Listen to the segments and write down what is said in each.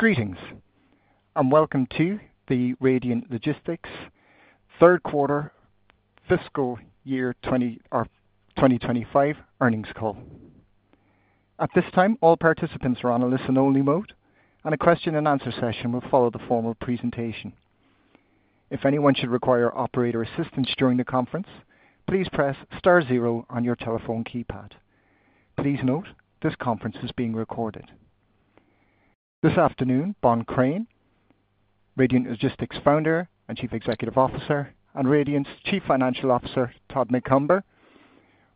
Greetings, and welcome to the Radiant Logistics third quarter fiscal year 2025 earnings call. At this time, all participants are on a listen-only mode, and a question-and-answer session will follow the formal presentation. If anyone should require operator assistance during the conference, please press star zero on your telephone keypad. Please note, this conference is being recorded. This afternoon, Bohn Crain, Radiant Logistics Founder and Chief Executive Officer, and Radiant's Chief Financial Officer, Todd Macomber,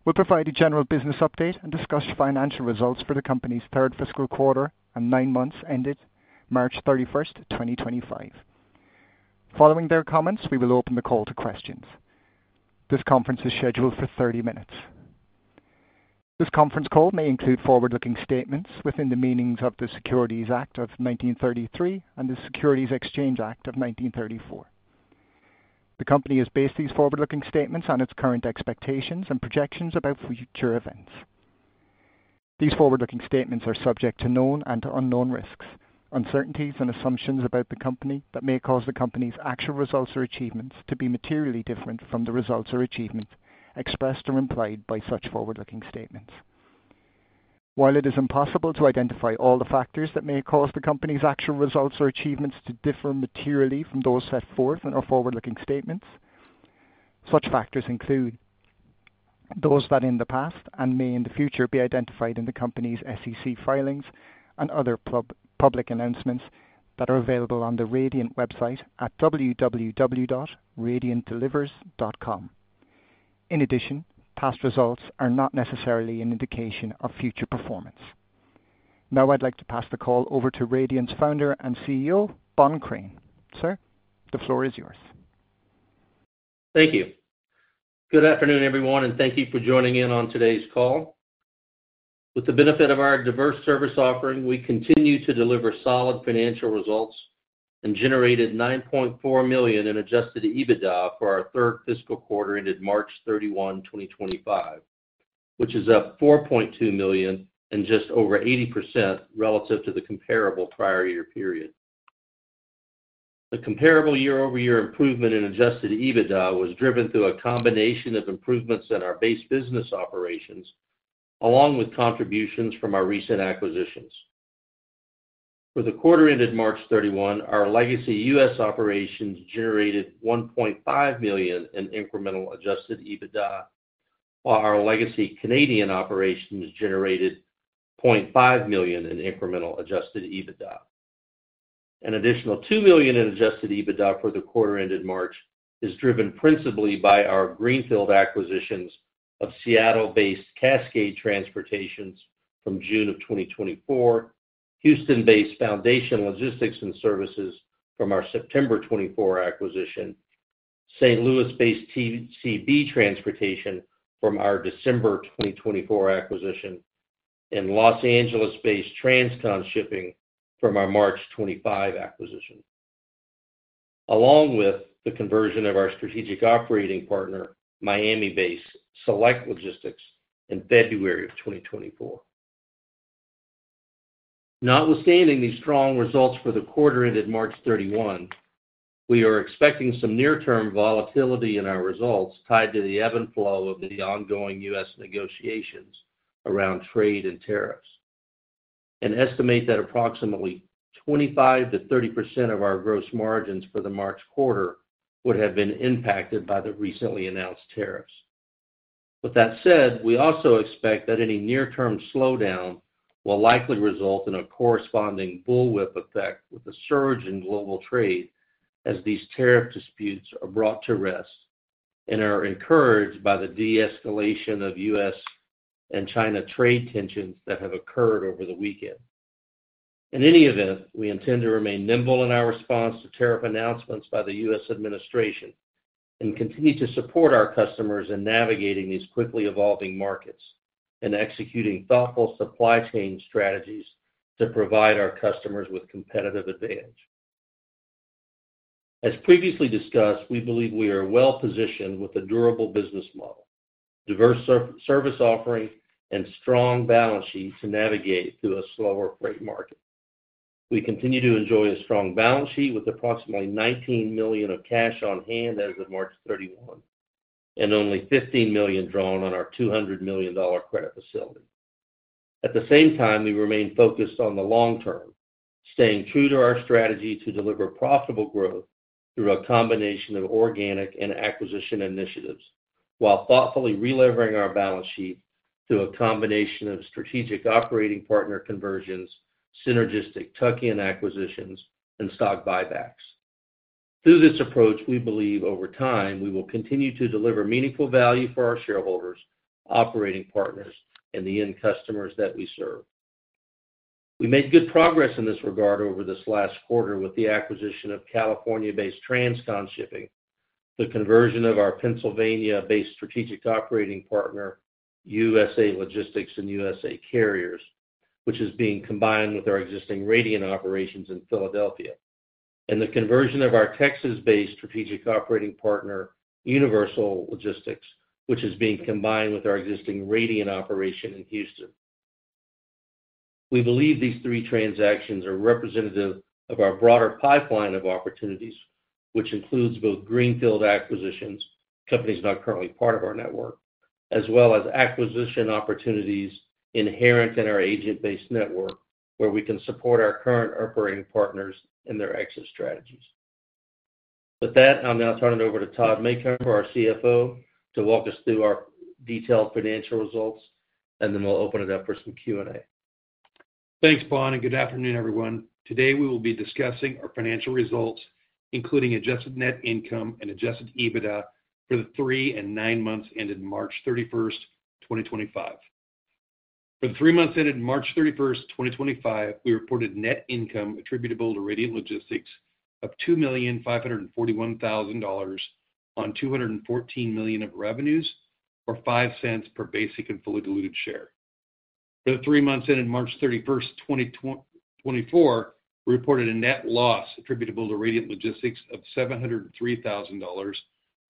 will provide a general business update and discuss financial results for the company's third fiscal quarter and nine months ended March 31, 2025. Following their comments, we will open the call to questions. This conference is scheduled for 30 minutes. This conference call may include forward-looking statements within the meanings of the Securities Act of 1933 and the Securities Exchange Act of 1934. The company has based these forward-looking statements on its current expectations and projections about future events. These forward-looking statements are subject to known and unknown risks, uncertainties, and assumptions about the company that may cause the company's actual results or achievements to be materially different from the results or achievements expressed or implied by such forward-looking statements. While it is impossible to identify all the factors that may cause the company's actual results or achievements to differ materially from those set forth in our forward-looking statements, such factors include those that in the past and may in the future be identified in the company's SEC filings and other public announcements that are available on the Radiant website at www.radiantdelivers.com. In addition, past results are not necessarily an indication of future performance. Now, I'd like to pass the call over to Radiant's founder and CEO, Bohn Crain. Sir, the floor is yours. Thank you. Good afternoon, everyone, and thank you for joining in on today's call. With the benefit of our diverse service offering, we continue to deliver solid financial results and generated $9.4 million in adjusted EBITDA for our third fiscal quarter ended March 31, 2025, which is up $4.2 million and just over 80% relative to the comparable prior year period. The comparable year-over-year improvement in adjusted EBITDA was driven through a combination of improvements in our base business operations along with contributions from our recent acquisitions. For the quarter ended March 31, our legacy U.S. operations generated $1.5 million in incremental adjusted EBITDA, while our legacy Canadian operations generated $0.5 million in incremental adjusted EBITDA. An additional $2 million in adjusted EBITDA for the quarter ended March is driven principally by our Greenfield acquisitions of Seattle-based Cascade Transportation from June of 2024, Houston-based Foundation Logistics & Services from our September 2024 acquisition, St. Louis-based TCB Transportation from our December 2024 acquisition, and Los Angeles-based Transcon Shipping from our March 2025 acquisition, along with the conversion of our strategic operating partner, Miami-based Select Logistics, in February of 2024. Notwithstanding these strong results for the quarter ended March 31, we are expecting some near-term volatility in our results tied to the ebb and flow of the ongoing U.S. negotiations around trade and tariffs and estimate that approximately 25%-30% of our gross margins for the March quarter would have been impacted by the recently announced tariffs. With that said, we also expect that any near-term slowdown will likely result in a corresponding bullwhip effect with the surge in global trade as these tariff disputes are brought to rest and are encouraged by the de-escalation of U.S. and China trade tensions that have occurred over the weekend. In any event, we intend to remain nimble in our response to tariff announcements by the U.S. administration and continue to support our customers in navigating these quickly evolving markets and executing thoughtful supply chain strategies to provide our customers with competitive advantage. As previously discussed, we believe we are well-positioned with a durable business model, diverse service offerings, and strong balance sheet to navigate through a slower freight market. We continue to enjoy a strong balance sheet with approximately $19 million of cash on hand as of March 31, 2024, and only $15 million drawn on our $200 million credit facility. At the same time, we remain focused on the long term, staying true to our strategy to deliver profitable growth through a combination of organic and acquisition initiatives while thoughtfully re-levering our balance sheet through a combination of strategic operating partner conversions, synergistic tuck-in acquisitions, and stock buybacks. Through this approach, we believe over time we will continue to deliver meaningful value for our shareholders, operating partners, and the end customers that we serve. We made good progress in this regard over this last quarter with the acquisition of California-based Transcon Shipping, the conversion of our Pennsylvania-based strategic operating partner, USA Logistics and USA Carriers, which is being combined with our existing Radiant operations in Philadelphia, and the conversion of our Texas-based strategic operating partner, Universal Logistics, which is being combined with our existing Radiant operation in Houston. We believe these three transactions are representative of our broader pipeline of opportunities, which includes both Greenfield acquisitions, companies not currently part of our network, as well as acquisition opportunities inherent in our agent-based network where we can support our current operating partners in their exit strategies. With that, I'm now turning it over to Todd Macomber, our CFO, to walk us through our detailed financial results, and then we'll open it up for some Q&A. Thanks, Bohn, and good afternoon, everyone. Today, we will be discussing our financial results, including adjusted net income and adjusted EBITDA for the three and nine months ended March 31, 2025. For the three months ended March 31, 2025, we reported net income attributable to Radiant Logistics of $2,541,000 on $214 million of revenues or $0.05 per basic and fully diluted share. For the three months ended March 31, 2024, we reported a net loss attributable to Radiant Logistics of $703,000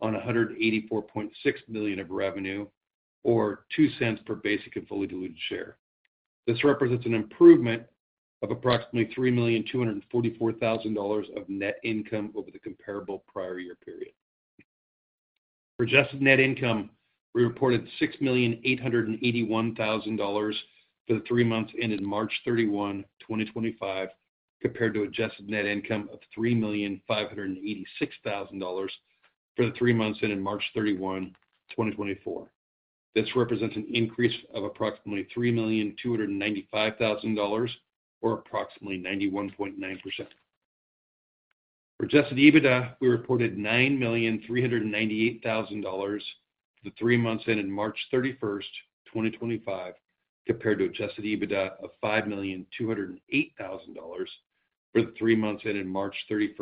on $184.6 million of revenue or $0.02 per basic and fully diluted share. This represents an improvement of approximately $3,244,000 of net income over the comparable prior year period. For adjusted net income, we reported $6,881,000 for the three months ended March 31, 2025, compared to adjusted net income of $3,586,000 for the three months ended March 31, 2024. This represents an increase of approximately $3,295,000 or approximately 91.9%. For adjusted EBITDA, we reported $9,398,000 for the three months ended March 31, 2025, compared to adjusted EBITDA of $5,208,000 for the three months ended March 31,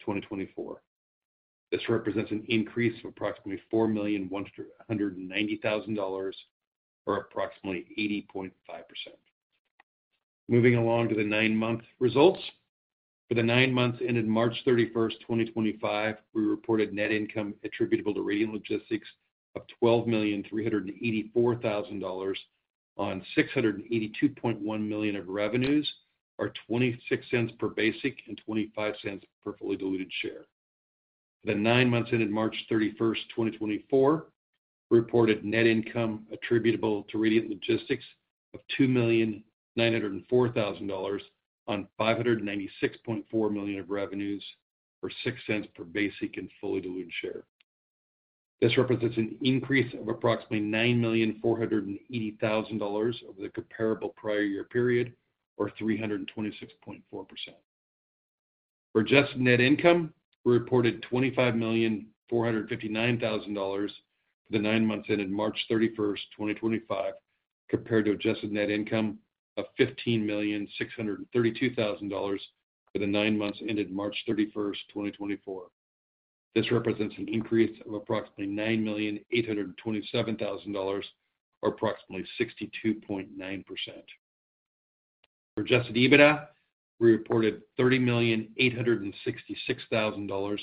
2024. This represents an increase of approximately $4,190,000 or approximately 80.5%. Moving along to the nine-month results, for the nine months ended March 31, 2025, we reported net income attributable to Radiant Logistics of $12,384,000 on $682.1 million of revenues or $0.26 per basic and $0.25 per fully diluted share. For the nine months ended March 31, 2024, we reported net income attributable to Radiant Logistics of $2,904,000 on $596.4 million of revenues or $0.06 per basic and fully diluted share. This represents an increase of approximately $9,480,000 over the comparable prior year period or 326.4%. For adjusted net income, we reported $25,459,000 for the nine months ended March 31, 2025, compared to adjusted net income of $15,632,000 for the nine months ended March 31, 2024. This represents an increase of approximately $9,827,000 or approximately 62.9%. For adjusted EBITDA, we reported $30,866,000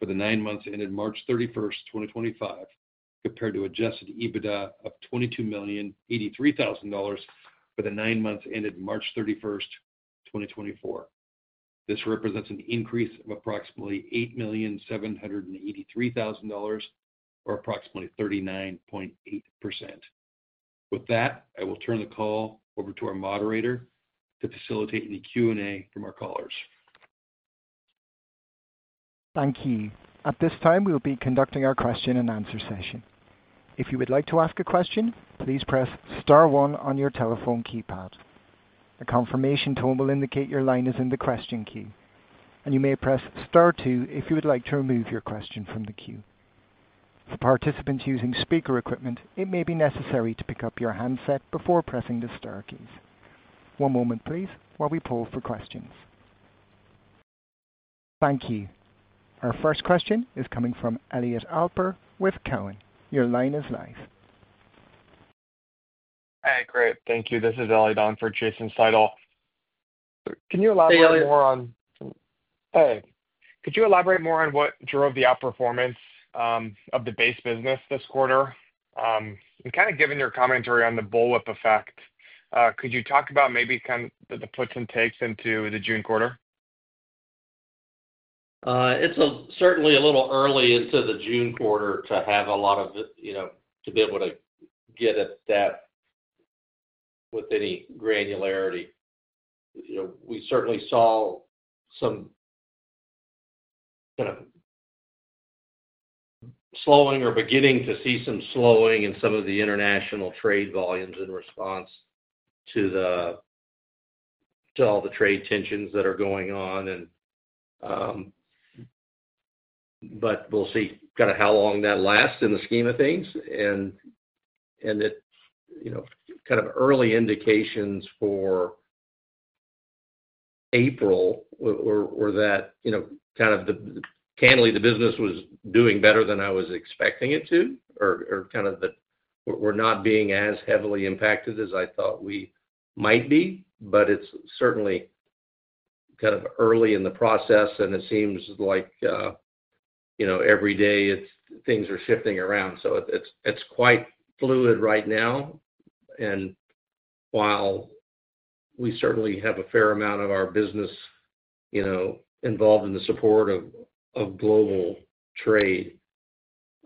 for the nine months ended March 31, 2025, compared to adjusted EBITDA of $22,083,000 for the nine months ended March 31, 2024. This represents an increase of approximately $8,783,000 or approximately 39.8%. With that, I will turn the call over to our moderator to facilitate any Q&A from our callers. Thank you. At this time, we will be conducting our question-and-answer session. If you would like to ask a question, please press star one on your telephone keypad. A confirmation tone will indicate your line is in the question queue, and you may press star two if you would like to remove your question from the queue. For participants using speaker equipment, it may be necessary to pick up your handset before pressing the star keys. One moment, please, while we pull for questions. Thank you. Our first question is coming from Elliot Alper with Cowen. Your line is live. Hi, Crain. Thank you. This is Elliot Alper for Jason Seidl. Can you elaborate more on. Hey, Elliot. Hey. Could you elaborate more on what drove the outperformance of the base business this quarter? Given your commentary on the bullwhip effect, could you talk about maybe kind of the puts and takes into the June quarter? It's certainly a little early into the June quarter to have a lot of, to be able to get at that with any granularity. We certainly saw some kind of slowing or beginning to see some slowing in some of the international trade volumes in response to all the trade tensions that are going on. We'll see kind of how long that lasts in the scheme of things. Early indications for April were that, candidly, the business was doing better than I was expecting it to, or that we're not being as heavily impacted as I thought we might be. It's certainly early in the process, and it seems like every day things are shifting around. It's quite fluid right now. While we certainly have a fair amount of our business involved in the support of global trade,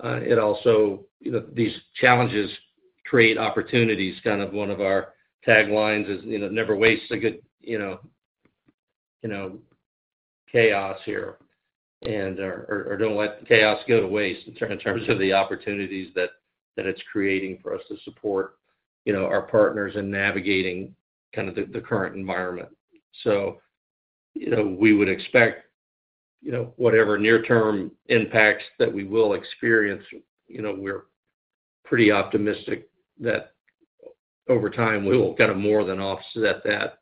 it also, these challenges create opportunities. Kind of one of our taglines is never waste a good chaos here or do not let chaos go to waste in terms of the opportunities that it is creating for us to support our partners in navigating kind of the current environment. We would expect whatever near-term impacts that we will experience, we are pretty optimistic that over time we will kind of more than offset that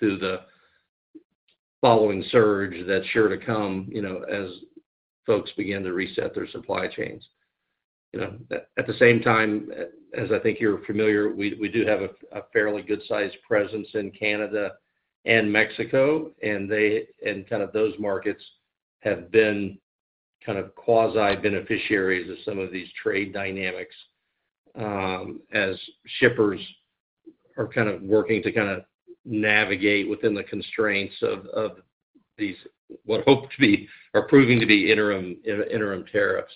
through the following surge that is sure to come as folks begin to reset their supply chains. At the same time, as I think you're familiar, we do have a fairly good-sized presence in Canada and Mexico, and kind of those markets have been kind of quasi-beneficiaries of some of these trade dynamics as shippers are kind of working to kind of navigate within the constraints of these what hope to be or proving to be interim tariffs.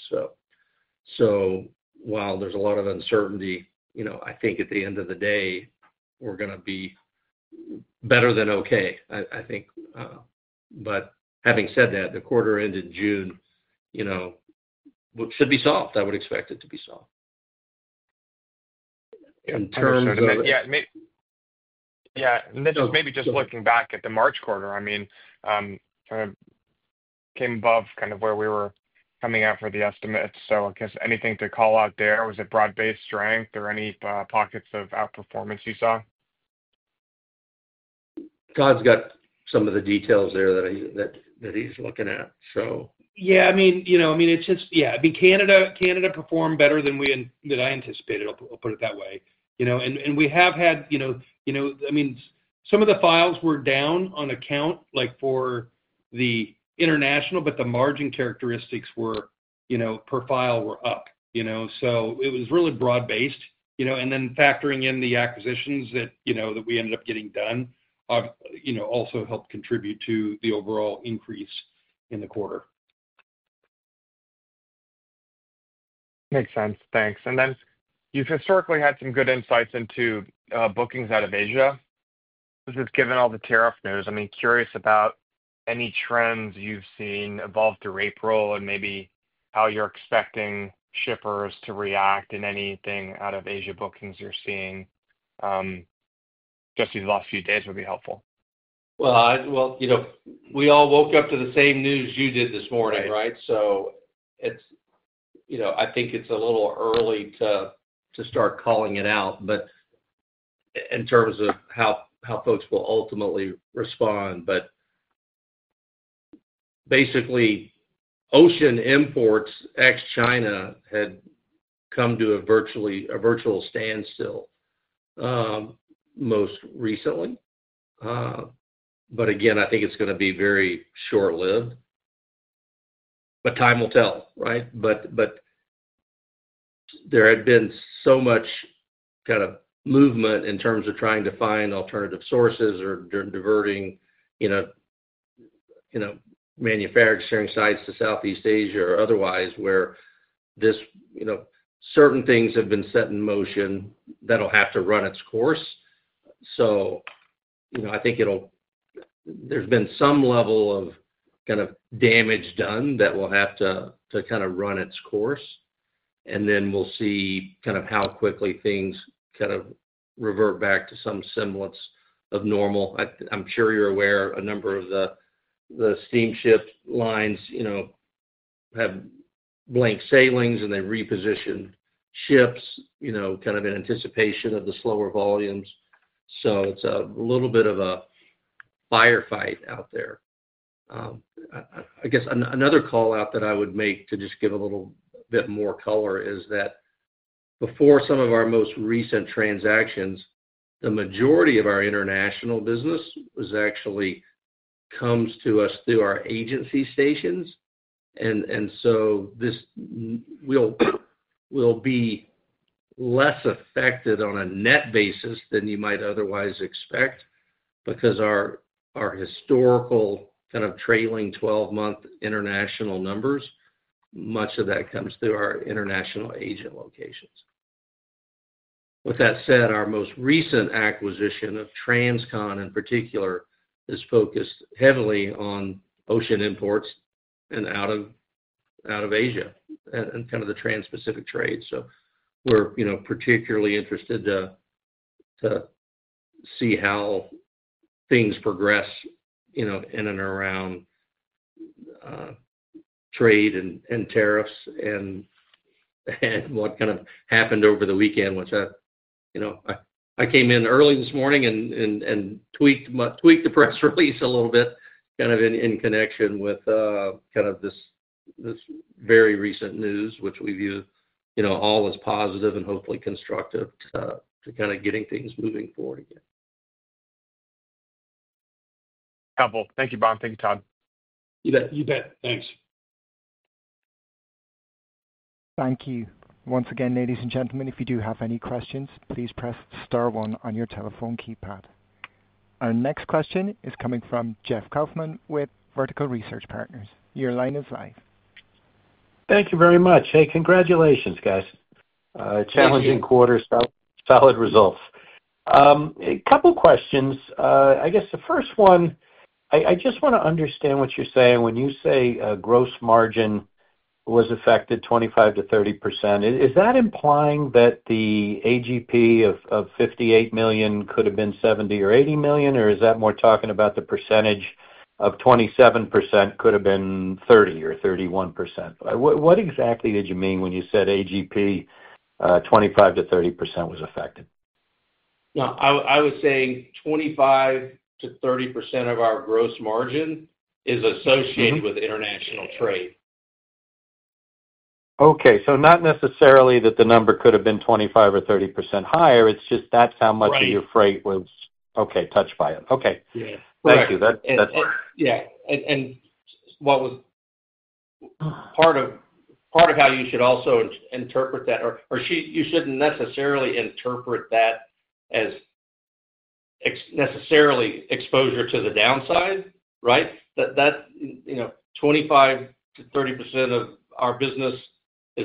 While there's a lot of uncertainty, I think at the end of the day, we're going to be better than okay, I think. Having said that, the quarter ended June should be solved. I would expect it to be solved. In terms of. Yeah. This is maybe just looking back at the March quarter. I mean, kind of came above kind of where we were coming out for the estimates. I guess anything to call out there? Was it broad-based strength or any pockets of outperformance you saw? Todd's got some of the details there that he's looking at, so. Yeah. I mean, it's just, yeah, I mean, Canada performed better than I anticipated. I'll put it that way. We have had, I mean, some of the files were down on account for the international, but the margin characteristics per file were up. It was really broad-based. Factoring in the acquisitions that we ended up getting done also helped contribute to the overall increase in the quarter. Makes sense. Thanks. You've historically had some good insights into bookings out of Asia. This is given all the tariff news. I mean, curious about any trends you've seen evolve through April and maybe how you're expecting shippers to react in anything out of Asia bookings you're seeing. Just these last few days would be helpful. We all woke up to the same news you did this morning, right? I think it's a little early to start calling it out, but in terms of how folks will ultimately respond. Basically, ocean imports ex-China had come to a virtual standstill most recently. Again, I think it's going to be very short-lived. Time will tell, right? There had been so much kind of movement in terms of trying to find alternative sources or diverting manufacturing sites to Southeast Asia or otherwise where certain things have been set in motion that'll have to run its course. I think there's been some level of kind of damage done that will have to kind of run its course. We'll see kind of how quickly things kind of revert back to some semblance of normal. I'm sure you're aware, a number of the steamship lines have blank sailings, and they reposition ships kind of in anticipation of the slower volumes. It's a little bit of a firefight out there. I guess another callout that I would make to just give a little bit more color is that before some of our most recent transactions, the majority of our international business actually comes to us through our agency stations. We will be less affected on a net basis than you might otherwise expect because our historical kind of trailing 12-month international numbers, much of that comes through our international agent locations. With that said, our most recent acquisition of Transcon, in particular, is focused heavily on ocean imports and out of Asia and kind of the Trans-Pacific trade. We're particularly interested to see how things progress in and around trade and tariffs and what kind of happened over the weekend, which I came in early this morning and tweaked the press release a little bit kind of in connection with this very recent news, which we view all as positive and hopefully constructive to getting things moving forward again. Helpful. Thank you, Bohn. Thank you, Todd. You bet. Thanks. Thank you. Once again, ladies and gentlemen, if you do have any questions, please press star one on your telephone keypad. Our next question is coming from Jeff Kauffman with Vertical Research Partners. Your line is live. Thank you very much. Hey, congratulations, guys. Challenging quarter, solid results. A couple of questions. I guess the first one, I just want to understand what you're saying when you say gross margin was affected 25%-30%. Is that implying that the AGP of $58 million could have been $70 million or $80 million, or is that more talking about the percentage of 27% could have been 30% or 31%? What exactly did you mean when you said AGP 25%-30% was affected? No, I was saying 25%-30% of our gross margin is associated with international trade. Okay. So not necessarily that the number could have been 25% or 30% higher. It's just that's how much of your freight was. Right. Okay. Touched by it. Okay. Thank you. That's it. Yeah. And what was part of how you should also interpret that, or you should not necessarily interpret that as necessarily exposure to the downside, right? That 25%-30% of our business is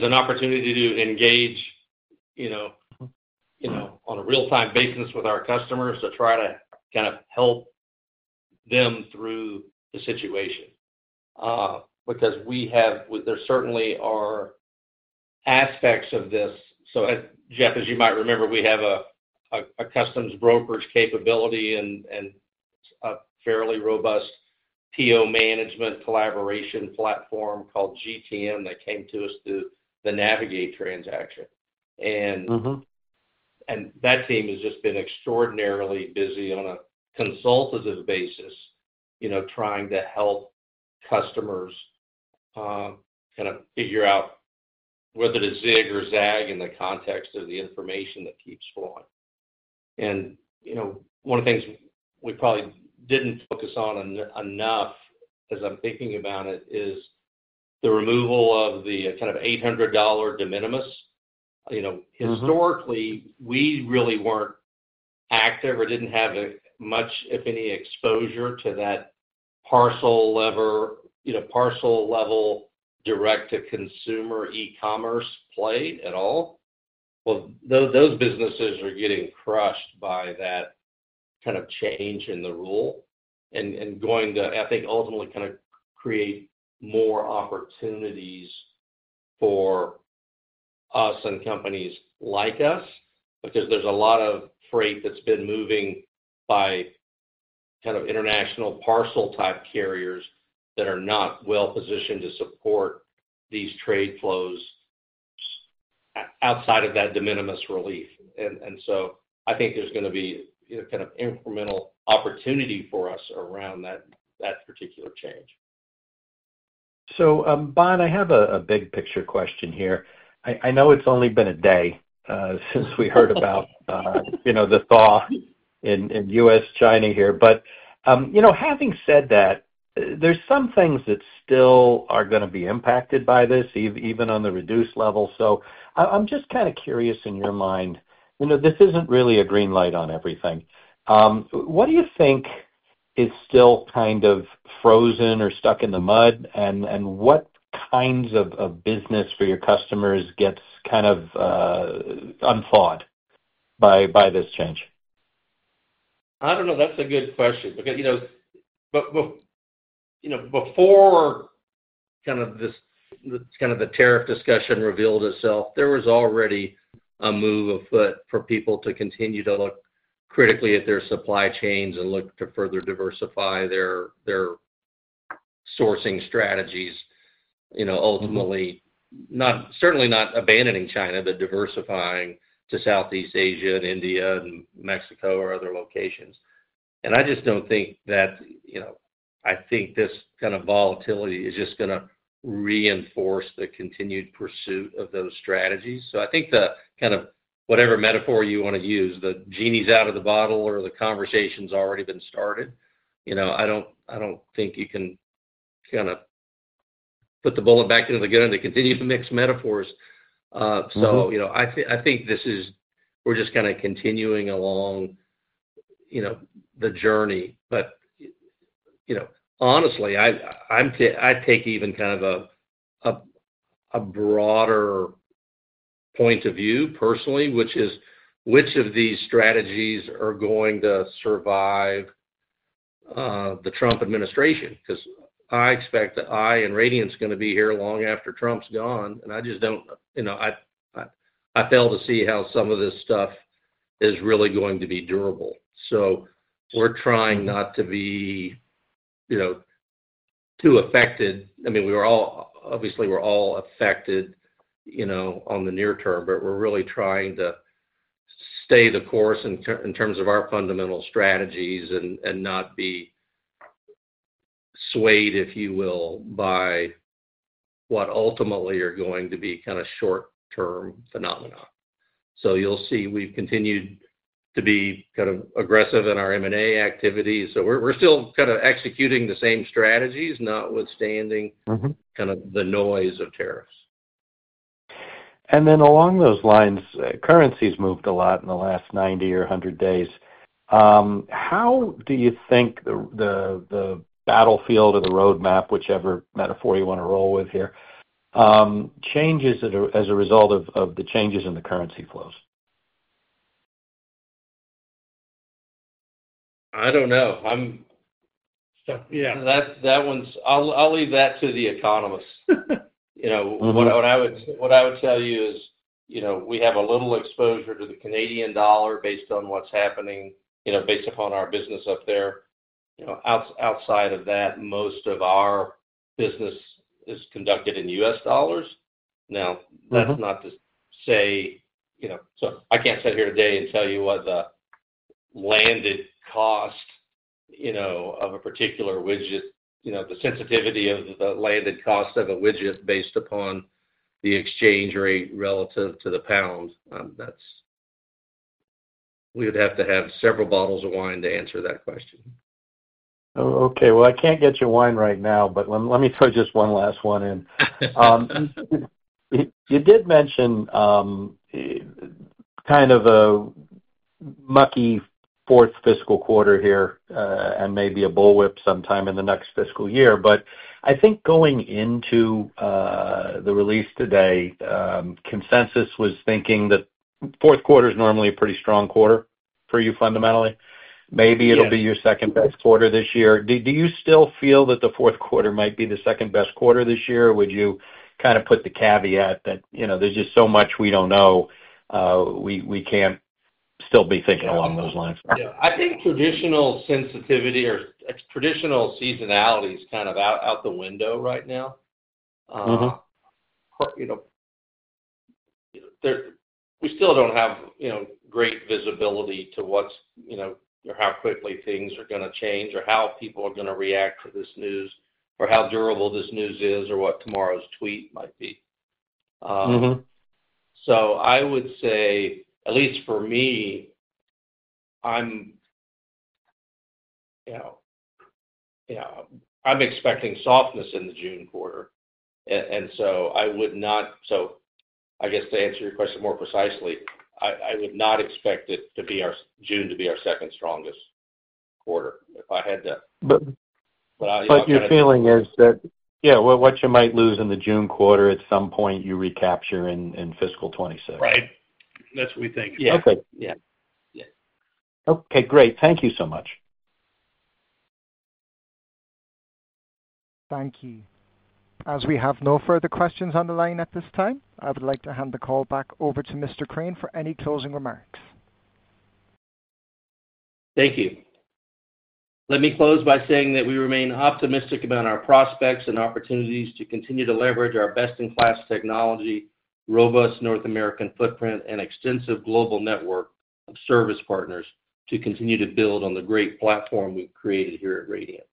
an opportunity to engage on a real-time basis with our customers to try to kind of help them through the situation. Because there certainly are aspects of this. Jeff, as you might remember, we have a customs brokerage capability and a fairly robust PO management collaboration platform called GTM that came to us through the Navegate transaction. That team has just been extraordinarily busy on a consultative basis trying to help customers kind of figure out whether to zig or zag in the context of the information that keeps flowing. One of the things we probably did not focus on enough as I am thinking about it is the removal of the kind of $800 de minimis. Historically, we really were not active or did not have much, if any, exposure to that parcel-level direct-to-consumer e-commerce play at all. Those businesses are getting crushed by that kind of change in the rule and going to, I think, ultimately kind of create more opportunities for us and companies like us because there is a lot of freight that has been moving by kind of international parcel-type carriers that are not well-positioned to support these trade flows outside of that de minimis relief. I think there is going to be kind of incremental opportunity for us around that particular change. Bohn, I have a big-picture question here. I know it's only been a day since we heard about the thaw in U.S.-China here. Having said that, there are some things that still are going to be impacted by this, even on the reduced level. I'm just kind of curious in your mind. This isn't really a green light on everything. What do you think is still kind of frozen or stuck in the mud, and what kinds of business for your customers gets kind of unfogged by this change? I don't know. That's a good question. But before kind of this kind of the tariff discussion revealed itself, there was already a move afoot for people to continue to look critically at their supply chains and look to further diversify their sourcing strategies, ultimately certainly not abandoning China, but diversifying to Southeast Asia and India and Mexico or other locations. I just don't think that I think this kind of volatility is just going to reinforce the continued pursuit of those strategies. I think the kind of whatever metaphor you want to use, the genie's out of the bottle or the conversation's already been started, I don't think you can kind of put the bullet back into the gun to continue to mix metaphors. I think this is we're just kind of continuing along the journey. Honestly, I take even kind of a broader point of view personally, which is which of these strategies are going to survive the Trump administration? I expect that I and Radiant's going to be here long after Trump's gone, and I just do not, I fail to see how some of this stuff is really going to be durable. We are trying not to be too affected. I mean, obviously, we are all affected on the near term, but we are really trying to stay the course in terms of our fundamental strategies and not be swayed, if you will, by what ultimately are going to be kind of short-term phenomena. You will see we have continued to be kind of aggressive in our M&A activities. We are still kind of executing the same strategies, notwithstanding kind of the noise of tariffs. Along those lines, currencies moved a lot in the last 90 or 100 days. How do you think the battlefield or the roadmap, whichever metaphor you want to roll with here, changes as a result of the changes in the currency flows? I don't know. Yeah. I'll leave that to the economists. What I would tell you is we have a little exposure to the Canadian dollar based on what's happening based upon our business up there. Outside of that, most of our business is conducted in U.S. dollars. Now, that's not to say I can't sit here today and tell you what the landed cost of a particular widget, the sensitivity of the landed cost of a widget based upon the exchange rate relative to the pound. We would have to have several bottles of wine to answer that question. Oh, okay. I can't get you wine right now, but let me throw just one last one in. You did mention kind of a mucky fourth fiscal quarter here and maybe a bullwhip sometime in the next fiscal year. I think going into the release today, consensus was thinking that fourth quarter is normally a pretty strong quarter for you fundamentally. Maybe it'll be your second best quarter this year. Do you still feel that the fourth quarter might be the second best quarter this year? Would you kind of put the caveat that there's just so much we don't know, we can't still be thinking along those lines? Yeah. I think traditional sensitivity or traditional seasonality is kind of out the window right now. We still don't have great visibility to what's or how quickly things are going to change or how people are going to react to this news or how durable this news is or what tomorrow's tweet might be. I would say, at least for me, I'm expecting softness in the June quarter. I guess to answer your question more precisely, I would not expect June to be our second strongest quarter if I had to. Your feeling is that, yeah, what you might lose in the June quarter, at some point, you recapture in fiscal 2026. Right. That's what we think. Yeah. Okay. Okay. Great. Thank you so much. Thank you. As we have no further questions on the line at this time, I would like to hand the call back over to Mr. Crain for any closing remarks. Thank you. Let me close by saying that we remain optimistic about our prospects and opportunities to continue to leverage our best-in-class technology, robust North American footprint, and extensive global network of service partners to continue to build on the great platform we have created here at Radiant.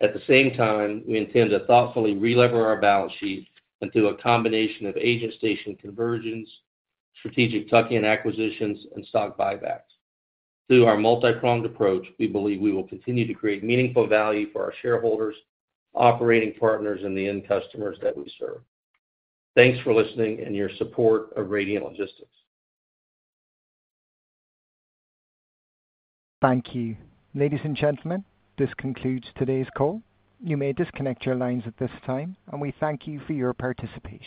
At the same time, we intend to thoughtfully re-lever our balance sheet and through a combination of agent station conversions, strategic tuck-in acquisitions, and stock buybacks. Through our multi-pronged approach, we believe we will continue to create meaningful value for our shareholders, operating partners, and the end customers that we serve. Thanks for listening and your support of Radiant Logistics. Thank you. Ladies and gentlemen, this concludes today's call. You may disconnect your lines at this time, and we thank you for your participation.